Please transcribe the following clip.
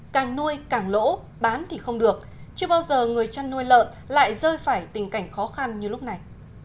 càng nuôi càng lỗ bán thì không được chưa bao giờ người chăn nuôi lợn lại rơi phải tình cảnh khó khăn như lúc này